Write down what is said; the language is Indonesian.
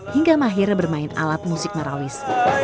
hingga mahir bermain alat musik marawis